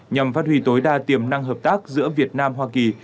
nhằm phát huy tối đa tiềm năng hợp tác giữa việt nam hoa kỳ